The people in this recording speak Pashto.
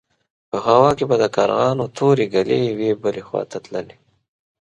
په هوا کې به د کارغانو تورې ګلې يوې بلې خوا ته تللې.